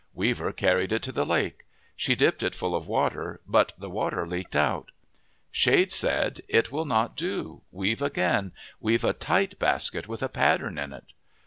Weaver carried it to the lake. She dipped it full of water, but the water leaked out. Shade said, " It will not do. Weave again. Weave a tight basket with a pattern in it."